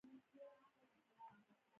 باز د نورو مرغانو له ډلې بېل دی